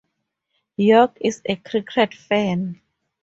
Yorke is a cricket fan.